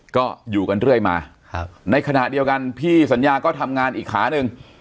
ก็อยู่กันเรื่อยมาในขณะเดียวกันพี่สัญญาก็ทำงานอีกขาหนึ่ง